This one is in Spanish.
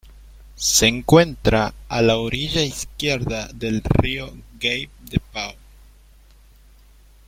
Se encuentra a la orilla izquierda del río Gave de Pau.